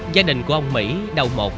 gia đình của ông mỹ đau một